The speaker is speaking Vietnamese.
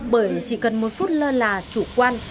bởi chỉ cần một phút lơ là chủ quan